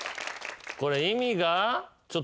これ意味が。